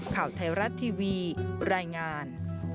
ข่าวไทยรัฐทีวีรายงาน